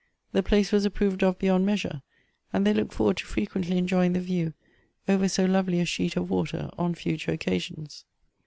The place was approved of beyond measure, and they looked forward to frequently enjoying the view over so lovely a sheet of water, on future occasions.